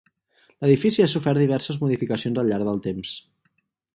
L'edifici ha sofert diverses modificacions al llarg del temps.